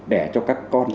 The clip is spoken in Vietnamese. để cho các con